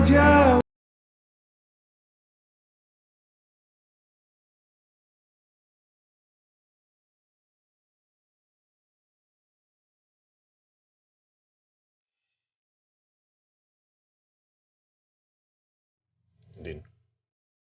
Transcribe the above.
salah satunya yang memerintahkan saya untuk membakar rumah makan di jalan sumbawa bu